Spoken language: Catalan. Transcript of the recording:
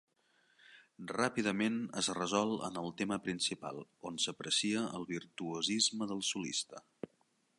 Ràpidament es resol en el tema principal, on s'aprecia el virtuosisme del solista.